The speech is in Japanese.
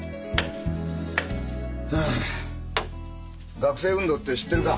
はあ学生運動って知ってるか？